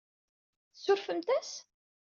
Tsurfemt-as?